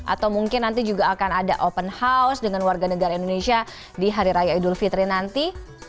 atau mungkin nanti juga akan ada open house dengan warga negara indonesia di hari raya idul fitri nanti